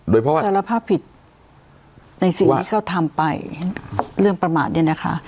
โดยเพราะว่าสารภาพผิดในสิ่งที่เขาทำไปเรื่องประมาทเนี่ยนะคะ